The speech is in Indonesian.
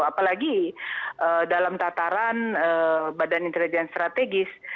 apalagi dalam tataran badan intelijen strategis